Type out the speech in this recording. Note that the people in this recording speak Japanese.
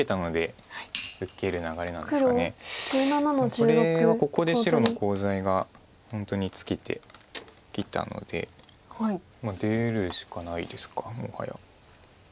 これはここで白のコウ材が本当に尽きてきたので出るしかないですかもはや。